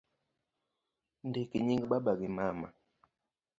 Ndik nying baba gi mama